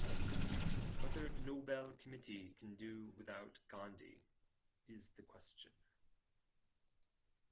Whether Nobel committee can do without Gandhi is the question.